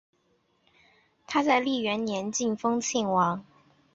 他在万历元年晋封庆王。